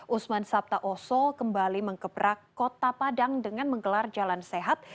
usman sabta oso kembali mengebrak kota padang dengan menggelar jalan sehat